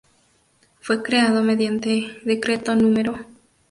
Fue creado mediante Decreto No.